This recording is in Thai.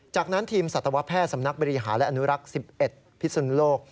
จากนั้นทีมสัตวแพทย์สำนักบริหารและอนุรักษ์๑๑พิสุนโลก